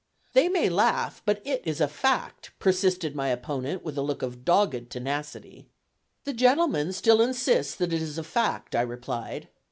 "They may laugh, but it is a fact," persisted my opponent with a look of dogged tenacity. "The gentleman still insists that it is a fact," I replied.